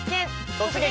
「突撃！